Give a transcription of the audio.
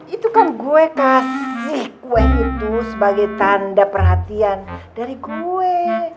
itu kan gue kasih kue itu sebagai tanda perhatian dari kue